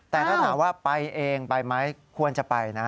แต่ถ้าถามว่าไปเองไปไหมควรจะไปนะ